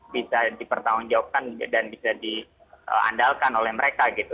bisa dipertanggungjawabkan dan bisa diandalkan oleh mereka gitu